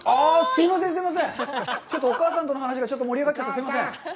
すいません、すいません、お母さんとの話がちょっと盛り上がっちゃって、すいません。